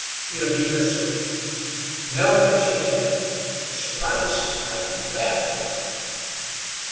He'll be here soon. Nell thinks you're dead, and the surprise might be bad for her."